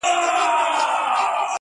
د ګوربت او د بازانو به مېله سوه!!